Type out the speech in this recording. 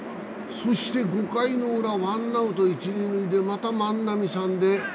そして５回ウラ、ワンアウト一・二塁でまた万波さんで。